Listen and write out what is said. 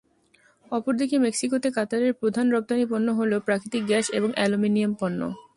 অপরদিকে মেক্সিকোতে কাতারের প্রধান রপ্তানি পণ্য হল, প্রাকৃতিক গ্যাস এবং অ্যালুমিনিয়াম পণ্য।